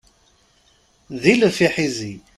D ilef iḥizi.